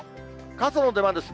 傘の出番です。